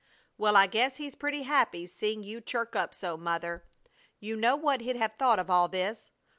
"Well, I guess he's pretty happy seeing you chirk up so, Mother. You know what he'd have thought of all this!